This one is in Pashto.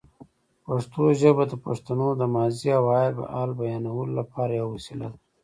پښتو ژبه د پښتنو د ماضي او حال بیانولو لپاره یوه وسیله ده.